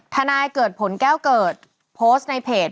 นายเกิดผลแก้วเกิดโพสต์ในเพจ